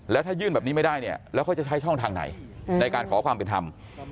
แล้วถ้ายื่นแบบนี้ไม่ได้เนี่ยแล้วเขาจะใช้ช่องทางไหนในการขอความเป็นธรรม